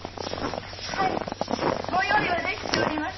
はいご用意はできております。